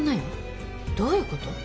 どういうこと？